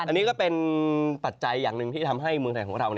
อันนี้ก็เป็นปัจจัยอย่างหนึ่งที่ทำให้เมืองไทยของเรา